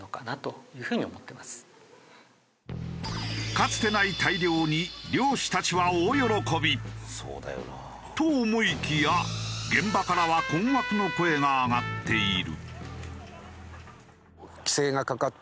かつてない大漁に漁師たちは大喜び！と思いきや現場からは困惑の声が上がっている。